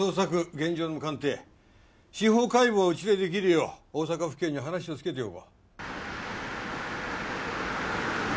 現場の鑑定司法解剖をうちでできるよう大阪府警に話をつけておこう。